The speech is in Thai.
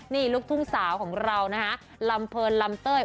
นี่ลูกทุ่งสาวของเรานะฮะลำเพลินลำเต้ย